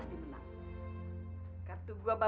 tuh menantu gue